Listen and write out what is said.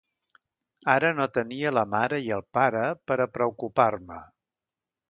Ara no tenia la mare i el pare per a preocupar-me.